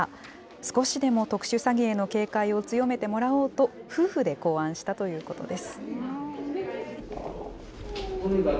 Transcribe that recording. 少しでも特殊詐欺への警戒を強めてもらおうと、夫婦で考案したということです。